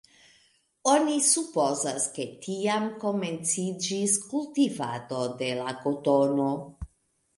Oni supozas, ke tiam komenciĝis kultivado de la kotono.